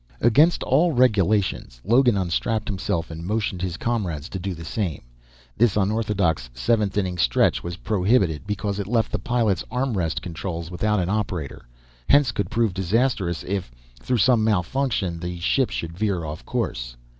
Against all regulations, Logan unstrapped himself and motioned his comrades to do the same. This unorthodox seventh inning stretch was prohibited because it left the pilot's arm rest controls without an operator, hence could prove disastrous if, through some malfunction, the ship should veer off course.